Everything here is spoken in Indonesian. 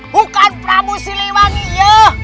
bukan prabu siliwangi ya